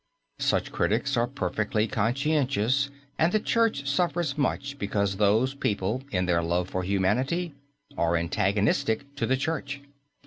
Such critics are perfectly conscientious and the Church suffers much because those people, in their love for humanity, are antagonistic to the Church.